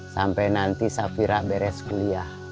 sampai nanti safira beres kuliah